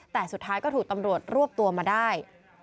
แต่สุดท้ายก็ถูกตำรวจรวบตัวมาได้